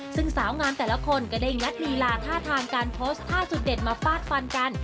ซึ่งสาวงามแต่ละคนก็ได้งัดลีลาท่าทางการโพสต์ท่าจุดเด็ดมาฟาดฟันกัน